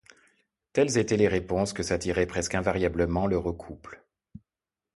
Telles étaient les réponses que s’attirait presque invariablement l’heureux couple.